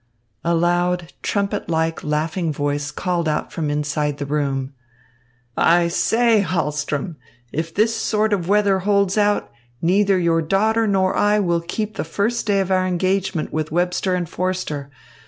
A loud, trumpet like, laughing voice called out from inside the room: "I say, Hahlström, if this sort of weather holds out, neither your daughter nor I will keep the first day of our engagement with Webster and Forster.